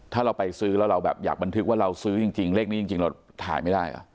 ถ้าเราไปซื้อแล้วเราแบบอยากบันทึกว่าเราซื้อจริงเลขนี้จริงเราถ่ายไม่ได้เหรอ